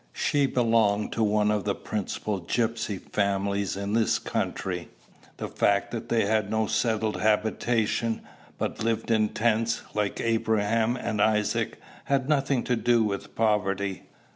She belonged to one of the principal gypsy families in this country. The fact that they had no settled habitation, but lived in tents, like Abraham and Isaac, had nothing to do with poverty.